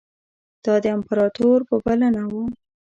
دا د امپراطور په بلنه وو.